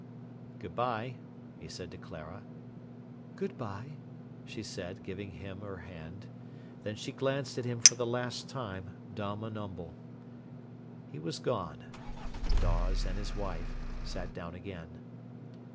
"Good bye," he said to Clara. "Good bye," she said, giving him her hand. Then she glanced at him for the last time, dumb and humble. He was gone. Dawes and his wife sat down again.